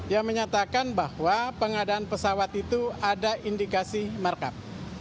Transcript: yang menyatakan bahwa pengadaan pesawat itu ada indikasi markup